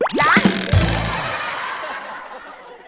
หือดัง